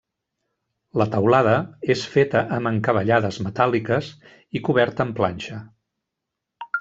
La teulada és feta amb encavallades metàl·liques i coberta amb planxa.